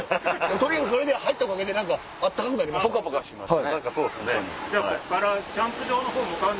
とにかくそれで入ったおかげで温かくなりました。